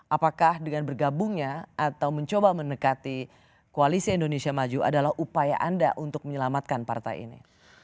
apakah dengan bergabungnya atau mencoba mendekati koalisi indonesia maju adalah upaya anda untuk menyelamatkan partai ini